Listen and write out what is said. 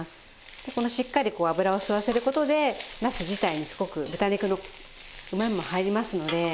でこのしっかりこう脂を吸わせる事でなす自体にすごく豚肉のうまみも入りますので。